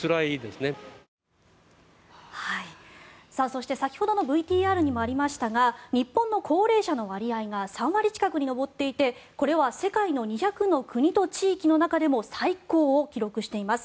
そして先ほどのＶＴＲにもありましたが日本の高齢者の割合が３割近くに上っていてこれは世界の２００の国と地域の中でも最高を記録しています。